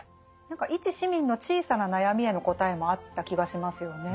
何か一市民の小さな悩みへの答えもあった気がしますよね。